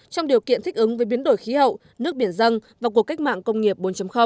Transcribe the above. trong điều kiện thích ứng với biến đổi khí hậu nước biển dân và cuộc cách mạng công nghiệp bốn